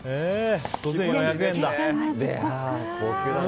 ５４００円だ。